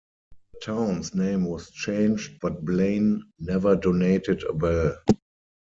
The town's name was changed, but Blaine never donated a bell.